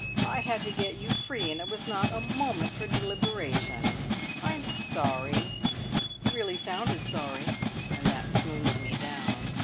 I had to get you free, and it was not a moment for deliberation. I'm sorry!" He really sounded sorry, and that smoothed me down.